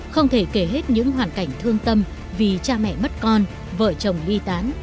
không thể kể hết những hoàn cảnh thương tâm vì cha mẹ mất con vợ chồng ly tán